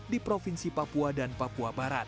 di provinsi papua dan papua barat